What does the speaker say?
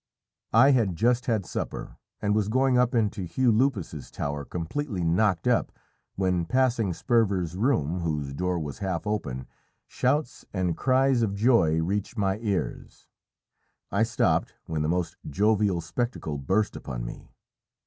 I had just had supper, and was going up into Hugh Lupus's tower completely knocked up, when, passing Sperver's room, whose door was half open, shouts and cries of joy reached my ears. I stopped, when the most jovial spectacle burst upon me.